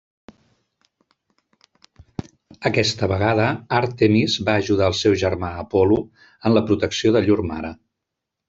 Aquesta vegada, Àrtemis va ajudar el seu germà Apol·lo en la protecció de llur mare.